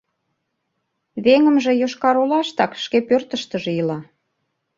Веҥымже Йошкар-Олаштак шке пӧртыштыжӧ ила.